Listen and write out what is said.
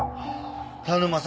田沼さん